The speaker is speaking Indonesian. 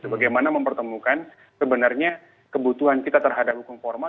bagaimana mempertemukan sebenarnya kebutuhan kita terhadap hukum formal